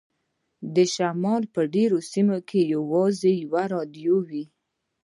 د شمال په ډیرو سیمو کې یوازې یوه راډیو وي